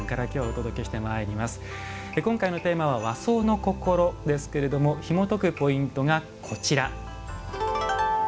今回のテーマは「和装のこころ」ですがひもとくポイントはこちら。